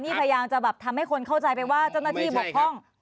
นี่พยายามจะแบบทำให้คนเข้าใจไปว่าเจ้าหน้าที่บกพร่อง